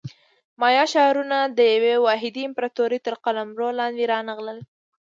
مایا ښارونه د یوې واحدې امپراتورۍ تر قلمرو لاندې رانغلل.